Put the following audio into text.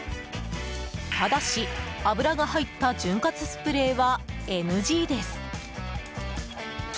ただし、油が入った潤滑スプレーはＮＧです。